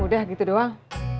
udah gitu doang